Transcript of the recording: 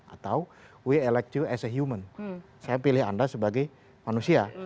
atau we electual as a human saya pilih anda sebagai manusia